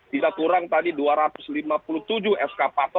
tidak kurang tadi rp dua ratus lima puluh tujuh sk patok